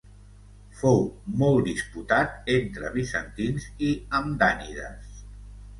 Fou molt disputat entre bizantins i hamdànides.